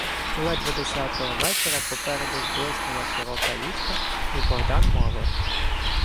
Ледве десятого вечора попереду зблиснула широка річка, й Богдан мовив: